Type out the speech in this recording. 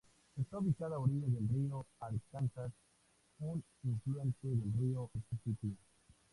Está ubicada a orillas del río Arkansas, un afluente del río Misisipi.